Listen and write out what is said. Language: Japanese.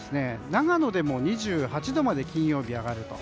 長野でも２８度まで金曜日は上がると。